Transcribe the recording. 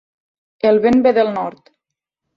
El vent ve del nord.